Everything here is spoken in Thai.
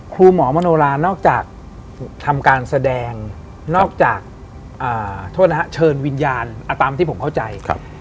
ครูหมอมโนรานอกจากทำการแสดงนอกจากโทษนะฮะเชิญวิญญาณตามที่ผมเข้าใจ